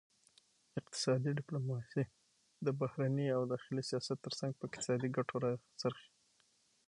اقتصادي ډیپلوماسي د بهرني او داخلي سیاست ترڅنګ په اقتصادي ګټو راڅرخي